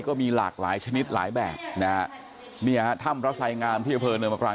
ก็มีหลากหลายชนิดหลายแบบนะฮะเนี่ยฮะถ้ำพระสายงามที่อำเภอเนินมะปราง